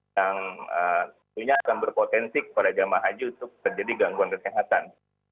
yang tentunya akan berpotensi kepada jemaah haji untuk terjadi gangguan kesehatan